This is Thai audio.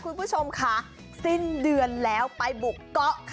รถติดมาก